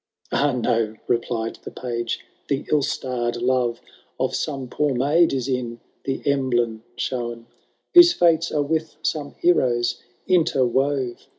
"—« Ah, no I " replied the Page ;" the ill starr'd love Of some poor maid is in the emblem shown, Whose fates are with some heroes interwove.